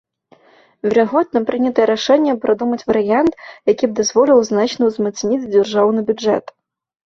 Верагодна, прынятае рашэнне прадумаць варыянт, які б дазволіў значна ўзмацніць дзяржаўны бюджэт.